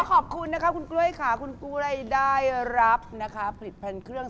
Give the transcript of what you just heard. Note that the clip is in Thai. ขอขอบคืนนะคะคุณกล้วยได้รับผลิตพลันเครื่อง